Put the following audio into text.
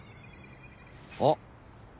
あっ。